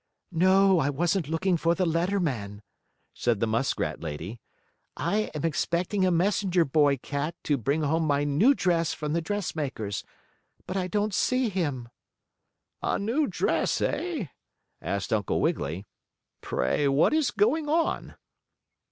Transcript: "No, I wasn't looking for the letter man," said the muskrat lady. "I am expecting a messenger boy cat to bring home my new dress from the dressmaker's, but I don't see him." "A new dress, eh?" asked Uncle Wiggily. "Pray, what is going on?"